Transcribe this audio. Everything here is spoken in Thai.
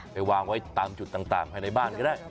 ไปวางไว้ตามจุดต่างภายในบ้านก็ได้